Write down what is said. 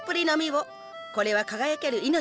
これは輝ける命の結晶。